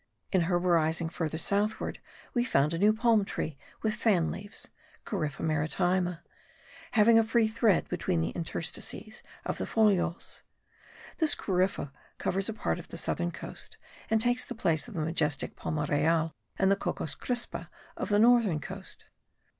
In herborizing further southward, we found a new palm tree with fan leaves (Corypha maritima), having a free thread between the interstices of the folioles. This Corypha covers a part of the southern coast and takes the place of the majestic palma real and the Cocos crispa of the northern coast.